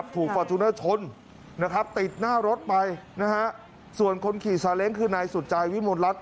ถูกฟอร์ทชูเนอร์ชนติดหน้ารถไปส่วนคนขี่ซาเล้งคือนายสุจรายวิมวลรัตน์